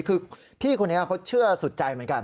คือพี่คนนี้เขาเชื่อสุดใจเหมือนกัน